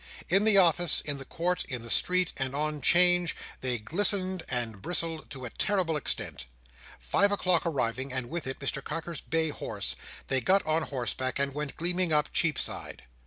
In the office, in the court, in the street, and on "Change, they glistened and bristled to a terrible extent. Five o'clock arriving, and with it Mr Carker's bay horse, they got on horseback, and went gleaming up Cheapside.